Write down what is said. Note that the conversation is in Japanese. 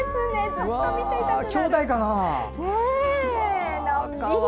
ずっと見ていたくなる。